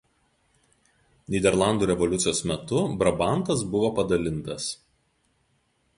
Nyderlandų revoliucijos metu Brabantas buvo padalintas.